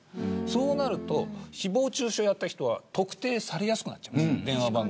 そうなると誹謗中傷した人は特定されやすくなっちゃいます。